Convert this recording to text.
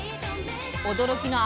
驚きのあ